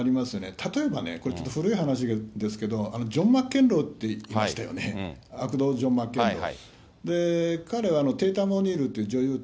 例えばね、これちょっと古い話ですけれども、ジョン・マッケンローっていましたよね、アクロー・ジョン・マッケンロー。